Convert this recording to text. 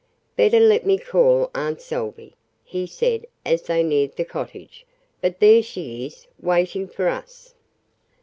"Better let me call Aunt Salvey," he said as they neared the cottage. "But there she is waiting for us."